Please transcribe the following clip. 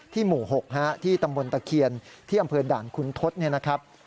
หมู่๖ที่ตำบลตะเคียนที่อำเภอด่านคุณทศเนี่ยนะครับ